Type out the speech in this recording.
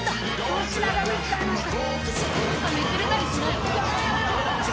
粗品が見つかりました。